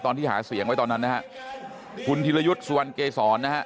ตอนที่หาเสียงไว้ตอนนั้นคุณธิรยุทธ์สวรรค์เกษร